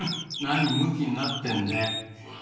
何むきになってんだい。